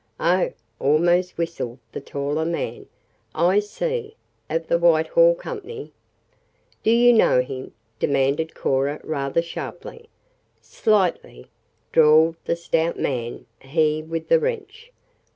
"Oh!" almost whistled the taller man. "I see; of the Whitehall Company?" "Do you know him?" demanded Cora rather sharply. "Slight ly," drawled the stout man, he with the wrench.